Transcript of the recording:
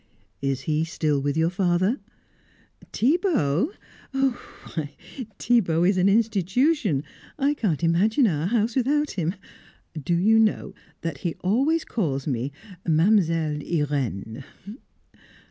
"Is he still with your father?" "Thibaut? Why, Thibaut is an institution. I can't imagine our house without him. Do you know that he always calls me Mademoiselle Irene?"